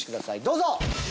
どうぞ！